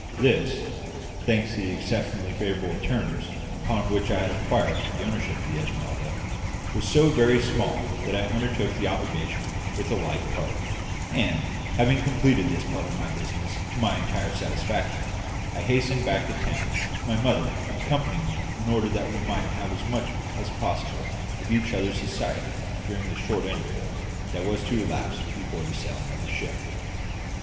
This thanks to the exceptionally favourable terms upon which I had acquired the ownership of the Esmeralda was so very small that I undertook the obligation with a light heart; and, having completed this part of my business to my entire satisfaction, I hastened back to town, my mother accompanying me in order that we might have as much as possible of each other's society during the short interval that was to elapse before the sailing of the ship.